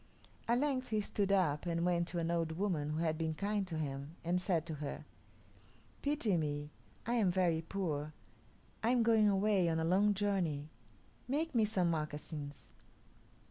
At length he stood up and went to an old woman who had been kind to him, and said to her, "Pity me. I am very poor. I am going away, on a long journey. Make me some moccasins."